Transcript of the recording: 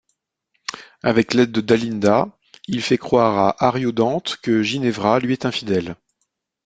Avec l'aide de Dalinda, il fait croire à Ariodante que Ginevra lui est infidèle.